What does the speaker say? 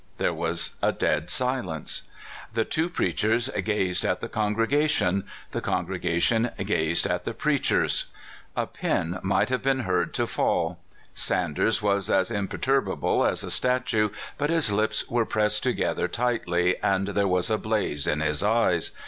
There was a dead silence. The two preach ers gazed at the congregation ; the congregation gazed at the preachers. A pin might have been heard to fall. Sanders was as imperturbable as a statue, but his lips were pressed together tightly, and there was a blaze in his eyes.